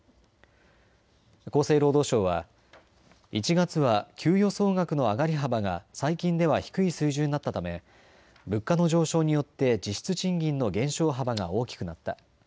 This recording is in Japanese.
厚生労働省は１月は給与総額の上がり幅が最近では低い水準だったため物価の上昇によって実質賃金の減少幅が大きくなった。